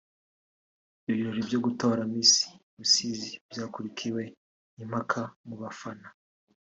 Ibirori byo gutora Miss Rusizi byakurikiwe n’impaka mu bafana